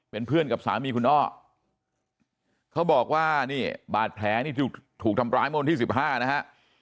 เป็นเพื่อนกับสามีคุณอ้อเขาบอกว่านี่บาดแผลนี่ถูกทำร้ายเมื่อวันที่๑๕นะฮะ